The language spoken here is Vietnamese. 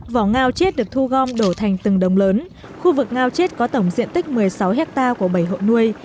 vỏ ngao chết được thu gom đổ thành từng đồng lớn khu vực ngao chết có tổng diện tích một mươi sáu hectare của bảy hộ nuôi